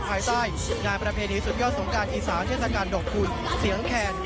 ภายใต้งานประเพณีสุดยอดสงการอีสานเทศกาลดอกทุนเสียงแคน